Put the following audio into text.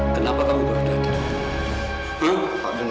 kenapa kamu belum datang